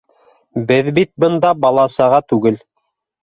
Беҙ бит бында бала-саға түгел